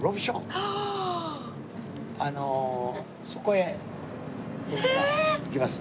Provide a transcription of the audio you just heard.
あのそこへ行きます。